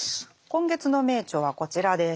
今月の名著はこちらです。